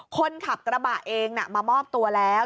คนขับกระบะเองมามอบตัวแล้ว